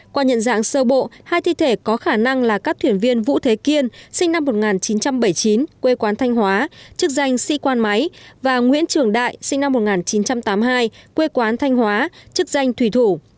qua nhận dạng sơ bộ hai thi thể có khả năng là các thuyền viên vũ thế kiên sinh năm một nghìn chín trăm bảy mươi chín quê quán thanh hóa chức danh sĩ quan máy và nguyễn trường đại sinh năm một nghìn chín trăm tám mươi hai quê quán thanh hóa chức danh thủy thủ